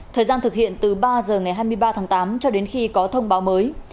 thời gian thực hiện từ ba giờ ngày hai mươi ba tháng tám cho đến khi có thông báo mới